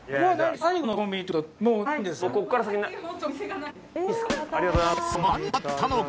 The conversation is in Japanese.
最後のコンビニってことはもうないんですか？